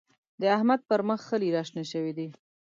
د احمد پر مخ خلي راشنه شوي دی.